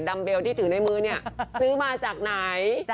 เบลที่ถือในมือเนี่ยซื้อมาจากไหน